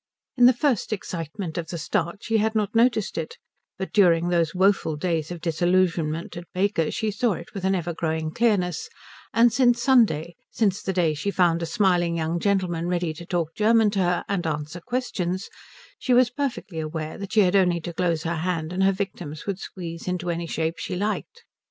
In the first excitement of the start she had not noticed it, but during those woeful days of disillusionment at Baker's she saw it with an ever growing clearness; and since Sunday, since the day she found a smiling young gentleman ready to talk German to her and answer questions, she was perfectly aware that she had only to close her hand and her victims would squeeze into any shape she liked.